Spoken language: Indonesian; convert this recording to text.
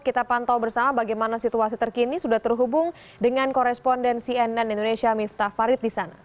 kita pantau bersama bagaimana situasi terkini sudah terhubung dengan korespondensi nn indonesia miftah farid di sana